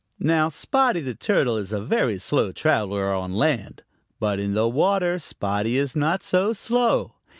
Now Spotty the Turtle is a very slow traveler on land, but in the water Spotty is not so slow.